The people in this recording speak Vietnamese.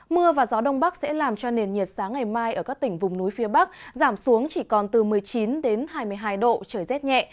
mưa và gió đông bắc sẽ làm cho nền nhiệt sáng ngày mai ở các tỉnh vùng núi phía bắc giảm xuống chỉ còn từ một mươi chín đến hai mươi hai độ trời rét nhẹ